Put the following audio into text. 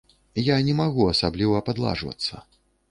Я не магу асабліва падладжвацца.